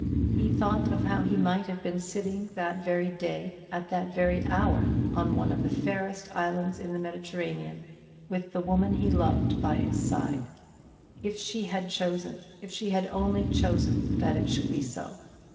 He thought of how he might have been sitting, that very day, at that very hour, on one of the fairest islands in the Mediterranean, with the woman he loved by his side: if she had chosen, if she had only chosen that it should be so.